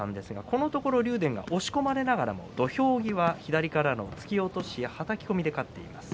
このところ竜電が押し込まれながらも、土俵際左からの突き落とし、はたき込みで勝っています。